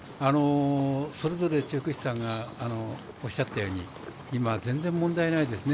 それぞれ調教師さんがおっしゃったように全然問題ないですね。